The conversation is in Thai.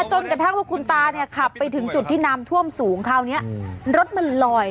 จนกระทั่งว่าคุณตาเนี่ยขับไปถึงจุดที่น้ำท่วมสูงคราวนี้รถมันลอย